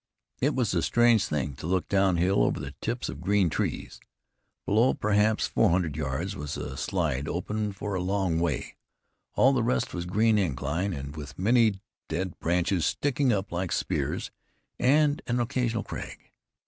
It was a strange thing to look down hill, over the tips of green trees. Below, perhaps four hundred yards, was a slide open for a long way; all the rest was green incline, with many dead branches sticking up like spars, and an occasional crag.